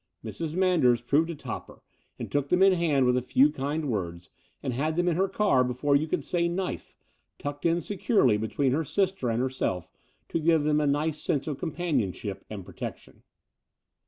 Mrs. Man ders proved a topper, and took them in hand with a few kind words, and had them in her car before you could say knife, tucked in securely between her sister and herself to give them a nice sense of companionship and protection.